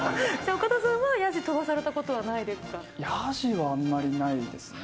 岡田さんは、やじ飛ばされたやじはあんまりないですね。